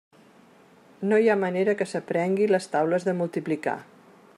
No hi ha manera que s'aprengui les taules de multiplicar.